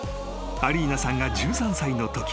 ［アリーナさんが１３歳のとき］